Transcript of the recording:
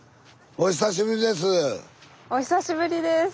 お久しぶりです。